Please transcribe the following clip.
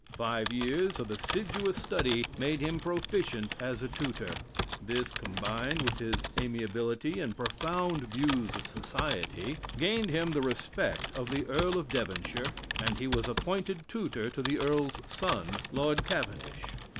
Five years of assiduous study made him proficient as a tutor; this, combined with his amiability and profound views of society, gained him the respect of the Earl of Devonshire, and he was appointed tutor to the Earl's son, Lord Cavendish.